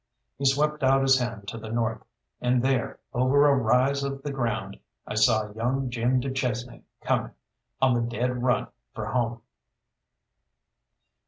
He swept out his hand to the north, and there, over a rise of the ground, I saw young Jim du Chesnay coming, on the dead run for home.